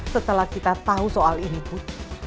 setelah kita tahu soal ini put